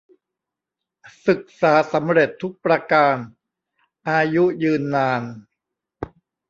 ศึกษาสำเร็จทุกประการ อายุยืนนาน